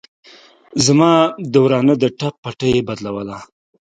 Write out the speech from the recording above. زما د ورانه د ټپ پټۍ يې بدلوله.